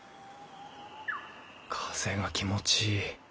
風が気持ちいい。